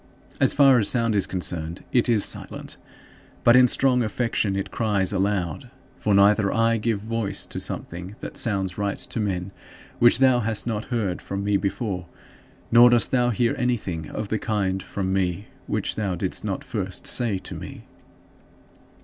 As far as sound is concerned, it is silent. But in strong affection it cries aloud. For neither do I give voice to something that sounds right to men, which thou hast not heard from me before, nor dost thou hear anything of the kind from me which thou didst not first say to me.